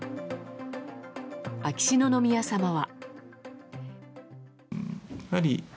秋篠宮さまは。